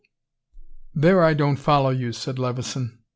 "There I don't follow you," said Levison.